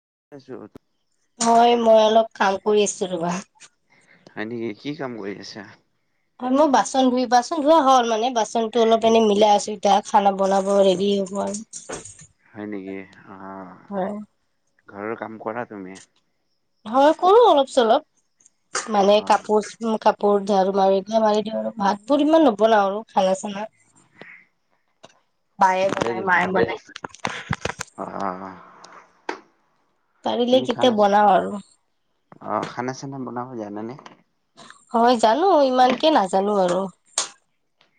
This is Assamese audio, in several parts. [unintelligible] হয় মই অলপ কাম কৰি আছো ৰবা। হয় নেকি, কি কাম কৰি আছা? হয় মই বাচন ধুই বাচন ধোৱা হল মানে বাচনতটো অলপ এ মিলাই আছো এতিয়া খানা বনাব ৰেডি হ'ব আৰু। হয় নেকি? আহ হয়। ঘৰৰ কাম কৰা তুমি? হয় কৰো অলপ চলপ। মানে আহ কাপোৰ কাপ পৰ ৰ্ঝাৰু মাৰিনে মাৰি দিওঁ আৰু ভাতবোৰ ইমান নবনাও আৰু খানা চানা। বায়ে বনায়, মায়ে বনায়। অহ। পাৰিলে তুমি কেতিয়া খানাছা বনাও আৰু অহ খানাছানা বন [unintelligible] জানেনে? হয় জানো ইমানকে নাজানো আৰু।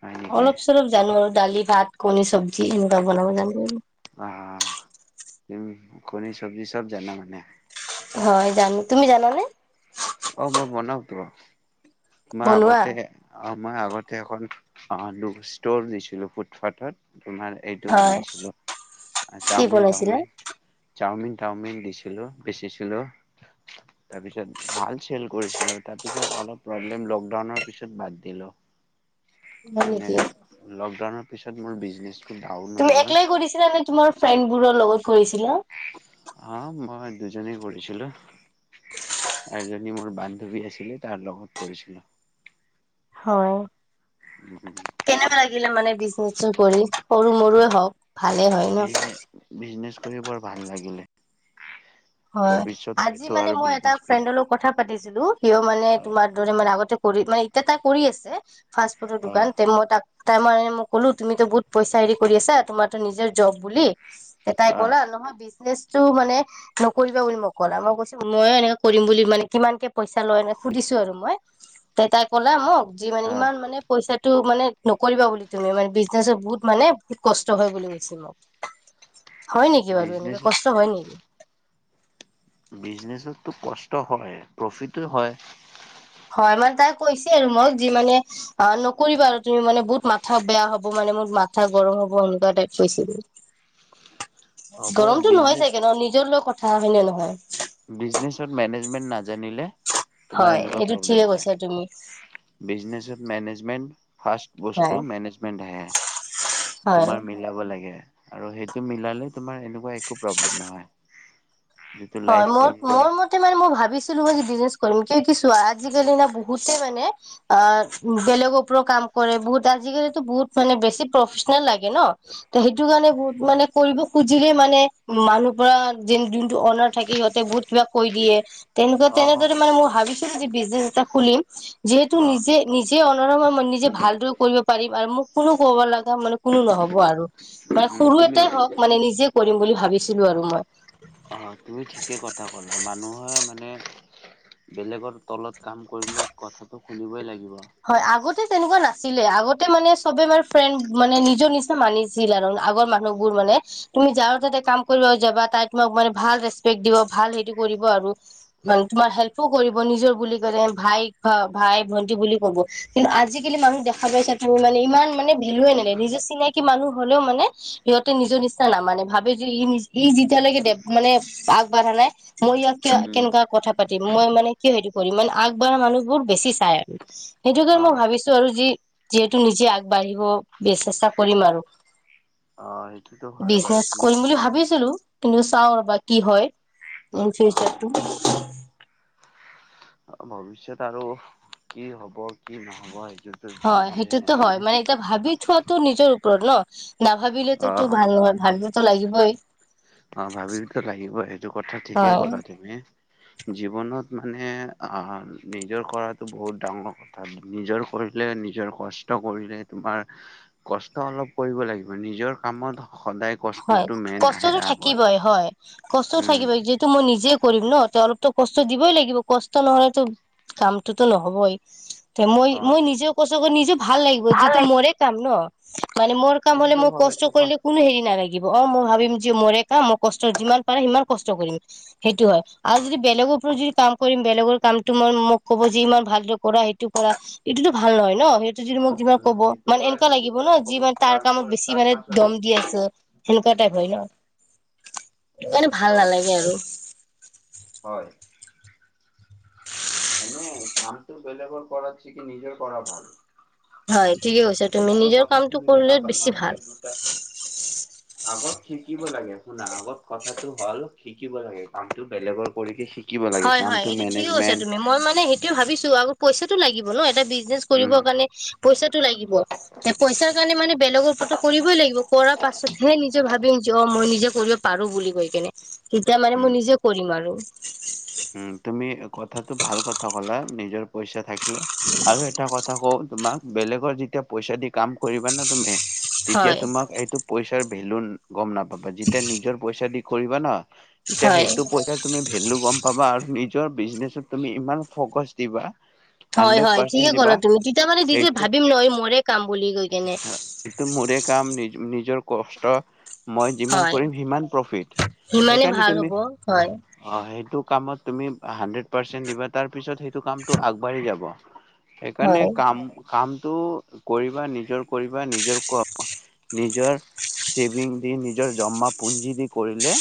হয় নেকি অলপ চলপ জানো আৰু। দালি-ভাত। কণী চব্জি এনেকুৱা বনাব জানো। আহ তুমি কণী চব্জি চব জানা মানে। হয় জানো তুমি জানানে? অ', মই বনাওঁতো। মই বনোৱা আগতে আ অ', মই আগতে এখন অ [unintelligible] ষ্টল দিছিলো ফুটপাথত। তোমাৰ এইটো হয় বনাইছিল কি চাওমিন বনাইছিলা তাওমিন, চাওমিন চাওমিন দিছিলো বেচিছিলো তাৰপিছত ভাল চেল কৰিছিলো, তাৰপিছত অলপ, প্ৰব্লেম লকডাউনৰ পিছত বাদ দিলো। হয় মানে নেকি লকডাউনত পিছত মোৰ বিজনেছ তুমি একলাই কৰিছিলা নে তোমাৰ ফ্ৰেণ্ডবোৰৰ লগত কৰিছিলা? অ', মই দুজনেই কৰিছিলো আৰু এজনী মোৰ বান্ধৱী আছিলে তাৰ লগত কৰিছিলো। হয়। উম। কেনেকুৱা লাগিলে মানে বিজনেচ কৰি সৰু মৰুৱে হওক। ভালে হয় ন। [unintelligible] বিজনেছ বৰ ভাল লাগিলে। হয় ভৱিষ্যত আজি হয়তো মানে আৰু মই এটা বিজনেচ কৰিম। ফ্ৰেণ্ডৰ লগত কথা পাতিছিলো। সিও মানে অ তোমাৰ দৰে মানে আগতে কৰি মানে এতিয়া তাই কৰি আছে ফাষ্ট ফুডৰ দোকান তে অ মই তাক তাৰ মানে মই ক'লো তুমি বহুত পইচা হেৰি কৰি আছা তোমাৰতো নিজৰ জব বুলি। তাই ক'লা নহয় বিজনেচ। তো মানে নকৰিবা বুলি মই মোক ক'লে মই কৈছো ময়ো এনেকে কৰিম বুলি মানে কিমানকে পইচা লয় সুধিছো আৰু মই তে তাই ক'লে মোক যি মানে অ ইমান মানে পইচা টো মানে নকৰিবা বুলি তুমি মানে বিজনেচত বহুত মানে কষ্ট হয় বুলি কৈছে মোক হয়, নেকি বাৰু এনেকে বিজনেচত কষ্ট হয় নেকি? বিজনেছত টো কষ্ট হয় প্ৰফিটো হয়। হয়, মানে তাই কৈছে আৰু মোক যি মানে অ নকৰিবা আৰু তুমি মানে বহুত মাথা বেয়া হ'ব। মানে মোৰ মাথা গৰম হ'ব সনেকুৱা টাইপ কৈছিল। হ'ব গৰমতটো নহয় বিজনেচ চাগে ন নিজৰ লৈ কথা হাহ ভে নহয়। বিজনেছত মেনেজমেন্ট না জানিলে তোমাৰ হয় এনেকুৱা এইটো ঠিকে প্ৰব্লেম কৈছা তুমি হয়। বিজনেছত মেনেজমেন্ট ফাষ্ট হয় বস্তু মেনেজমেন্টহে হয়। তোমাৰ মিলাব লাগে। আৰু সেইটো মিলালে তোমাৰ সেনেকুৱা একো প্ৰব্লেম নহয়। যিটো হয় লাইফ মোৰ মোৰ লৈকে মতে মানে মই ভাবিছো। মই বিজনেছ কৰিম কিয় কি চোৱা আজিকালি না বহুতে মানে অ' বেলেগৰ ওপৰত কাম কৰে বহুত আজিকালি বহুত মানে বেছি প্ৰফেচনেল লাগে ন সেইটো কাৰণে বহুত মানে কৰিব খুজিলে মানে মানুহ পৰা দিনটো অনাৰ থাকি। সিহঁতে বহুত কিবা কৈ দিয়ে। তেনেকুৱ অ অ তেনেদৰে মানে মই ভাবিছো। বিজনেছ এটা খুলিম। যিহেতু অ নিজে নিজে অনাৰ মই নিজে ভালদৰে কৰিব পাৰিম আৰু মোক কোনো ক'ব লগা মানে কোনো নহ'ব আৰু মানে উম সৰু তুমি এটাই হওক মানে নিজে কৰিম বুলি ভাবিছিলো আৰু মই হয়। তুমি ঠিকে কথা ক'লা মানুহে মানে বেলেগৰ তলত কাম কৰিলে কথাটো শুনিবই লাগিব। হয় আগতে তেনেকুৱা নাছিলে আগত আগতে মানে সবে ম ফ্ৰেণ্ড মানে নিজৰ নিচি মানিছিল আৰু আগৰ মানুহবোৰ মানে তুমি যাৰ তাতে কাম কৰিব যাবা তাই তোমাক মানে ভাল ৰেচপেক্ট দিব ভাল সেইটো কৰিব আৰু মান তোমাৰ হেল্পো কৰিব নিজৰ বুলি কলে ভাই ভাই ভন্টি বুলি কিন্তু আজিকালি মানুহ দেখা পাইছা ত মানে ইমান মানে ভেলুৱয়ে নালাগে নিজৰ চিনাকি মানুহ হলেও মানে সিহঁতে নিজৰ নিচিনা নামানে ভাবে যে ই যেতিয়ালৈকে দে মানে আগবাঢ়া নাই। মই ইয়াক কিয় উম কেনেকুৱা কথা পাতিম মই মানে কিয়? হেৰি কৰিম মানে আগবঢ়া মানুহবোৰ বেছি চাই আৰু সেইটো কাৰণে অ মই ভাবিছো আৰু যি যিহেতু নিজে আগবাঢ়িব চেষ্টা কৰিম আৰু অ সেইটোতো হয় বাৰু বিজনেচ তুমি কৰিম বুলি ঠিকেই ক'লা। ভাবিছিলো। কিন্তু চাওঁ ৰ'বা কি হয়। ইন ফিউচাৰটো। অ ভৱিষ্যত আৰু কি হ'ব কি নহ'ব। সেইটোতো হয় নাজানে সেইটোতো হয় নাজানে মানে এতিয়া ভাবি থোৱাতটো নিজৰ ন [unintelligible] না ভাবিলে তো অ একো ভাল নহয় ভাবিবতো লাগিব। হয়। অ ভাবিটো লাগিব সেইটো কথা ঠিকেই হয় ক'লা তুমি। জীৱনত মানে নিজৰ কৰাটো বহুত ডাঙৰ কথা নিজৰ কৰিলে নিজৰ কষ্ট কৰিলে, তোমাৰ কষ্ট অলপ কৰিব লাগিব। নিজৰ কামত সদায় কষ্টতটো মেইন আহে আৰু। কিব হয়-হয় কষ্টও থাকিব যিহেতু মই নিজে কৰিম ন অলপতো কষ্ট দিবই লাগিব, কষ্ট নহ'লেতো কামটোতো নহবই। তে অ মই-মই নিজেও কছাকৈ নিজেও ভাল লাগিব যিহেতু মৰে কাম ন। মানে মোৰ কাম হ'লে সেইটোতো মই হয় কষ্ট তোমাৰ কৰিলে কোনো হেৰি নালাগে। লিব অ মই ভাবিম যে মৰে কাম মই কষ্ট যিমান পাৰে সিমান কষ্ট কৰিম সেইটো হয়। আৰু যদি বেলেগৰ পৰা যদি কাম কৰিম বেলেগৰ কামটো মই মোক ক'ব যে ইমান ভাল কৰা সেইটো কৰা এইটোতো ভাল নহয় ন সেই যতি মোক যিমান উম কব এইটো মানে কৰা এনেকুৱা সেইটো লাগিব কৰা ন যি ক'ব মানে তাৰ কামত বেছি তাৰ মানে পাছত দম দি আছে। সেনেকুৱা টাইপ অ হয় ন মানে ভাল হয় নালাগে আৰু। হয় এনে কামটো বেলেগৰ কৰাছে কি নিজেও কৰা ভাল। হয় ঠিকে কৈছ তুমি বেলেগৰ নিজৰ কথা কামটো শুনিব কৰিলে নাপা বেছি নালাগে ভাল। দুটা আগত শিকিব লাগে শুনা আগত কথাটো হ'ল শিকিব লাগে কামটো বেলেগৰ কৰিকে শিকিব। শিকিব লাগে হয় হয় কামটো এইটো ঠিকে কৈছা মেনেজমেণ্ট তুমি মই মানে সেইটোয়ে ভাবিছো আৰু পইচাটো লাগিব ন এটা। বিজনেছ কৰিব উম কাৰণে পইচাটো লাগিব পইচাৰ কাৰণে মানে বেলেগৰ ওপৰতো কৰিবই লাগিব। কৰাৰ পাছতহে নিজে, যে ভাবিম যে অ' মই নিজে কৰিব পাৰো বুলি কৈ কিনে। তেতিয়া মানে মই উম নিজে কৰিম আৰু। উম' তুমি কথাটো ভাল কথা ক'লা নিজৰ। পইচা থাকিলে আৰু এটা কথা কওঁ। তোমাক বেলেগৰ যেতিয়া পইচা দি কাম কৰিবা না তুমি, তেতিয়া হয় তোমাক সেটো পইচাৰ ভেলু গম নাপা। যেতিয়া নিজৰ পইচা দি কৰিবা ন। তেতিয়া হয় সেইটো পইচা তুমি ভেলু গম আৰু নিজৰ বিজনেচত তুমি ইমান ফকাচ দিবা। হাণ্ড্ৰেড হয়-হয় পাৰ্চেন্ট ঠিকে ক'ল দিবা তুমি তেতিয়া মানে দিজে সেইটো ভাবিম নয় মৰে কাম বুলি কৈ কেনে। এইটো মোৰে কাম নিজ নিজৰ কষ্ট মই যিমান হয় কৰিম সিমান প্ৰফিট সেই সিমানে কাৰণে ভাল তুমি, হ'ব হয় অ সেইটো কামত তুমি হান্দ্ৰেড পাৰ্চেন্ট দিবা তাৰ পিছত সেইটো কামটো আগবাঢ়ি যাব। সেইকাৰণে হয় কাম কাম টো কৰিবা নিজৰ কৰিবা নিজৰ ক নিজৰ চেভিং দি নিজৰ জমা পুঞ্জি দি কৰিলে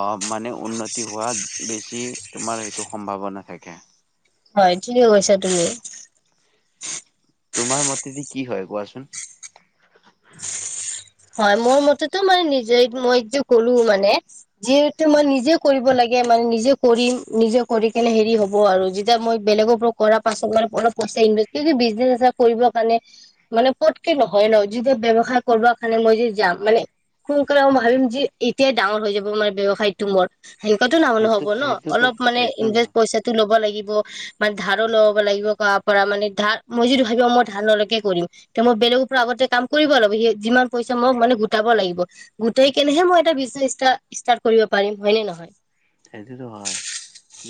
অ মানে উন্নতি হোৱা বেছি তোমাৰ সেইটো সম্ভাৱনা থাকে। হয় ঠিকে কৈছা তুমি তোমাৰ মতে দি কি হয় কোৱাচোন? হয় মোৰ মতেতো মানে নিজে মই যে কলোঁ মানে- যিহেতু মই নিজে কৰিব লা- গে মানে নিজে কৰিম নিজে কৰি কিনে হেৰি হ'ব আৰু যেতিয়া মই বেলেগৰ পৰা কৰা পাছত মানে অলপ পইচা ইনভেষ্ট কিয় কি বিজনেছ ইছনেছ কৰিবৰ কাৰণে মানে পতকে নহয় ন যেতিয়া ব্যৱসায় কৰবা- মানে মই যে যাম মানে সোনকালে ম ভাবিম যে এতিয়াই ডাঙৰ হৈ যাব মানে ব্যৱসায়টো মোৰ। সেনকাতো নাহল সেইটো হব ন সেইটোতো অলপ মানে সেইটো ইনভেষ্ট নহয় পইচাটো ল'ব লাগি- ব মানে ধাৰো লব লাগিব কাবা পৰা মানে ধাৰ মই যদি ভাবিম অ মই ধাৰ নলকে কৰিম তে মই বেলেগৰ পৰা আগতে কাম কৰিব লাগিব সি যিমান- পইচা মই মানে গোটাব লাগিব, গোটাই কেনেহে মই এটা বিজনেছ ষ্টা ষ্টাৰ্ট কৰিব পাৰিম হয়নে নহয়? সেইটোতো হয়,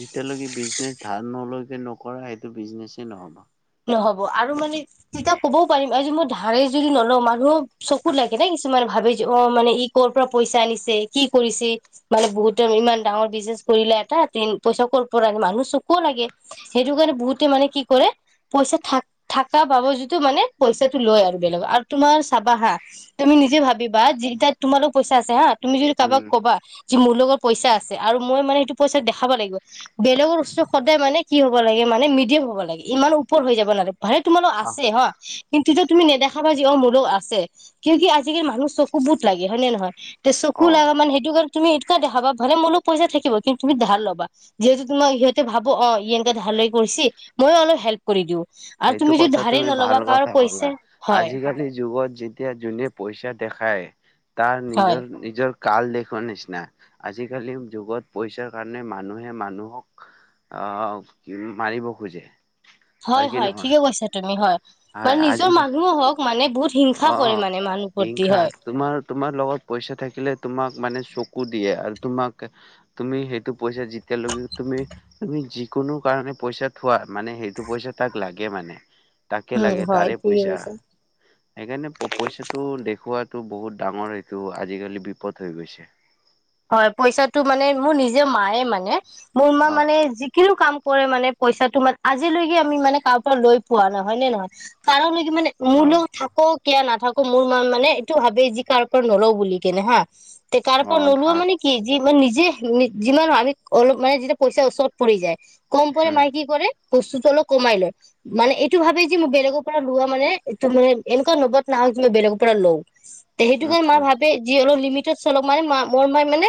যেতিয়ালৈকে বিজনেছ ধাৰ নলৈকে নকৰা সেইটো বিজনেছে নহ'ব। নহ'ব আৰু মানে তিতা ক'বও পাৰিম আজি মই ধাৰে যদি নলম মানু্হ চকুত লাগে নে কিছুমানে ভাবে- অ মানে ই কৰ পৰা পইচা আনিছে কি কৰিছে মানে বহুতে ইমান ডাঙৰ বিজনেছ কৰিলে এটা ডেন পইচা ক'ৰ পৰা আনি মানুহ চকু লাগে সেইটো কাৰণে বহুতে মানে কি কৰে- পইচা থাক থাকা বাবজুটো মানে পইচাটো লয় আৰু বেলেগক আৰু তোমাৰ চাবা হা, তুমি নিজে ভাবিবা যেতিয়া তোমালোক পইচা আছে হা- তুমি যদি কাৰোবাক উম, কবা যে মোৰ লগত পইচা আছে আৰু মই মানে সেইটো- পইচা দেখাব লাগিব বেলেগৰ বস্তু সদায় মানে কি হ'ব লাগে মানে মিডিয়াম হ'ব লাগে ইমানো- উপৰ হৈ যাব না- ভাই তোমালগ আহ আছে হা কিন্তুটো তুমি নেদেখা যি অ মোৰো আছে কিয় কি আজিকালি মানুহ চকু বহুত লাগে হয় নে নহয়? তে চকু অ', লাগা মানে সেইটো কাৰ তুমি এইটোকে দেখাবা ভালে মো লগত পইচা থাকিব কিন্তু তুমি ধাৰ ল'বা, যিহেতু তোমাৰ সেহঁতে ভাবব অ ই এনেকা ধাৰ লৈ কৰিছে মইও অলপ হেল্প- কৰি দিওঁ। আৰু সেইটো তুমি যদি কথা ধাৰে তুমি ভাল নল'বা কাৰো কথা পইচা কলা, হয় আজিকালি যুগত যেতিয়া জুনে পইচা দেখায়- তাৰ হয় নিজৰ-নিজৰ- কাল দেখুৱাৰ নিচিনা, আজিকালিৰ যুগত পইচাৰ কাৰণে মানুহে মানুহক আহ কি মাৰিব খোজে। হয় কি হয় নহয়? ঠিকে কৈছা তুমি হয়। হয় মানে নিজৰ আজিকালি মানুহো হওক মানে বহুত- হিংসা কৰে অ', মানে মানুহ প্ৰতি হিংসা হয়। তোমাৰ তোমাৰ লগত পইচা থাকিলে তোমাক মানে চকু দিয়ে আৰু তোমাক, তুমি সেইটো পইচা যেতিয়ালৈকে তুমি তুমি যিকোনো কাৰণে পইচা থোৱা মানে সেইটো পইচা তাক লাগে মানে। তাকে উম লাগে হয় তাৰে ঠিকেই পইচা কৈছা। সেইকাৰণে প পইচাটো দেখুওৱাটো বহুত ডাঙৰ সেইটো আজিকালি বিপদ হৈ গৈছে। হয় পইচাটো মানে মোৰ নিজে মায়ে মানে মোৰ মা অ', মানে যিকোনো কাম [unintelligible] মানে পইচাটো মান আজিলৈকে আমি মানে কাৰ পৰা লৈ পোৱা নাই হয় নে নহয়? কাৰলৈ মানে অ', মোলেও থাকক। কিয়া নাথাকো মোৰ মন মানে এইটো ভাবেই যি কাৰো পৰা নলও বুলি কেনে হা। তে কাৰ অ', ওলোৱা ধাৰ মানে কিয ইমান নিজে-যিমান আমি অলপ মানে যেতিয়া পইচাৰ ওচৰত পৰি যায়। কম পৰে উম, মাই কি কৰে? বস্তুটো অলপ কমাই লয়। মানে এইটো ভাবে যে মই বেলেগৰ পৰা লোৱা মানে এইটো মানে এনেকুৱা নবত নাহক যে মই বেলেগৰ পৰা লওঁ। তে হেইটো উম, কাৰণ মা উম, ভাবে যি অলপ লি লিমিটত চলক মানে মাম্‌ মই ইমান মানে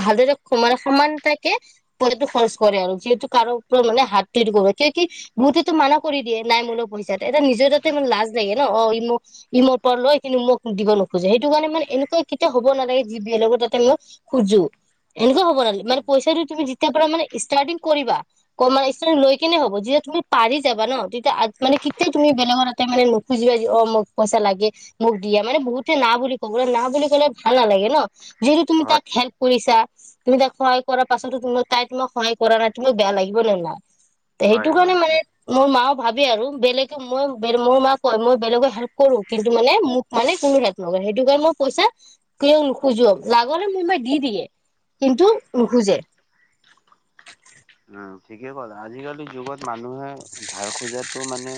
ভালদৰে সমান-সমানতাকে পইচাটো খৰচ কৰে আৰু। যিহেতু কাৰো ওপৰত মানে হাত যোৰ কৰে। কিয় কি-বহুতেটো মানা কৰি দিয়ে নাই মোল লগত পইচাট এটা নিজৰ তাতে মোৰ লাজ লাগে। ন' অ' ই মোক, ই মোৰ পৰা লয় কিন্তু মোক দিব নোখোজে। সেইটো কাৰণে মানে এনেকুৱা কেতিয়াও হ'ব নালাগে যি বেলেগৰ তাত তেল' খোজোঁ। এনেকুৱা হ'ব লাগে, মানে পইচটো তুমি যিত্‌ তেতিয়াৰ পৰা মানে ইষ্টাৰ্টিং কৰিবা, কমাই ইষ্টাৰ্ট লৈ কেনে হ'ব। যেতিয়া তুমি পাৰি যাবা ন' তেত্‌ তে আত্‌-মানে কেতিয়া তুমি বেলেগৰ তাতে মানে নোক্‌ বুজিবা যি অ' মোক পইচা লাগে, মোক দিয়া, মানে বহুতে না বুলি ক'বলে- না বুলি ক'লে ভাল নালাগে ন! যদি তুমি তাক হয়। হেল্প কৰিছা তুমি তাক সহায় কৰাৰ পাছতো তোমাক- তাই তোমাক সহায় কৰা নাই, তোমাক বেয়া লাগিব নে নাই? তে হয়, হেইটো হয়, কাৰণে মানে- মোৰ মা ভাবে আৰু, বেলেগে মই বেল- মোৰ মা কয়- মই বেলেগক হেল্প কৰোঁ, কিন্তু মানে মোক মানে কোনো হেল্প নকৰে। হেইটো কাৰণ মই পইচা কিয়ও নোখোজোঁও। লাগ' হ'লে মোৰ মাই দি দিয়ে, কিন্তু নোখোজে। উম্‌ ঠিকে কলা। আজিকালি যুগত মানুহে- ধাৰ খোজাটো মানে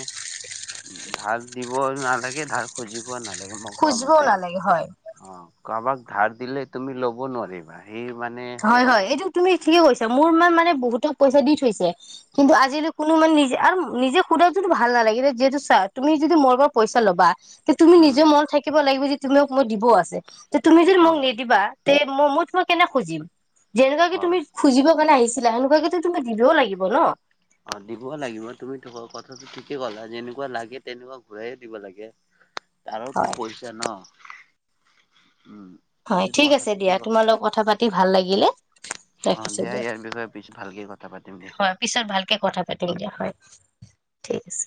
- ধাৰ দিবই নালাগে ধাৰ খুজিব নাল লাগে মই কোৱা খুজিবও মতে। নালাগে হয় অ' কাৰবাক ধাৰ দিলে তুমি ল'ব নোৱাৰিবাই। হয় হয়, এইটো তুমি ঠিকে কৈছা মোৰ মাই মানে এ বহুতক পইচা দি থৈছে। কিন্তু আজিলৈ কোনো মান নিজে আৰু নিজে সোধাতোটো ভাল নালাগে যিহেতু চা তুমি যদি মোৰ পৰা পইচা ল'বা তুমি উম নিজে মন থাকিব লাগিব যি তোমাক মই দিব আছে। তে তুমি যদি অ মোক নিদিবা তে মই-মই তোমাক কেনেক খুজিম? যেনেকুৱা কি তুমি হয় খুজিব কাৰণে আহিছ লা সেনেুৱাকেটো তুমি দিবও লাগিব ন? অ' দিবও লাগিব। তুমি তোকৰ কথ ঠিকে কলা। যেনেকুৱা লাগে, তেনেকুৱা ঘূৰাইয়ে দিবা লাগে। তাৰৰটো হয় পইচা ন? উম হয়, এইটোতো ঠিক কথা আছে দিয়া। ঠিকেই ক তোমাৰ লগত কথা পাতি ভাল লাগিলে। অ ৰাখিছোঁ দিয়া, ইয়াৰ বিষয়ে পিছত ভালকে কথা পাতিম দিয়া হয়। পিছত ভালকে কথা পাতিম দিয়া, হয়। ঠিক আছে।